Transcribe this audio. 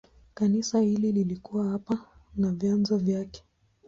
Kanisa hili lilikuwa hapa na vyanzo vyake.